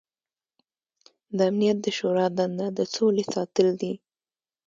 د امنیت د شورا دنده د سولې ساتل دي.